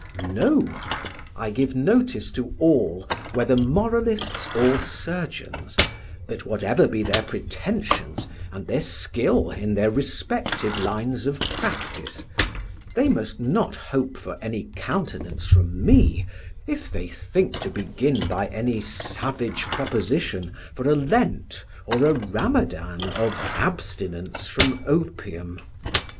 No; I give notice to all, whether moralists or surgeons, that whatever be their pretensions and skill in their respective lines of practice, they must not hope for any countenance from me, if they think to begin by any savage proposition for a Lent or a Ramadan of abstinence from opium.